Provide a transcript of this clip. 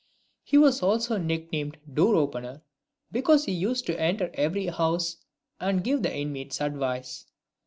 He was also nicknamed Door opener, because he used to enter every house and give the inmates advice.